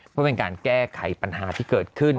เพื่อเป็นการแก้ไขปัญหาที่เกิดขึ้น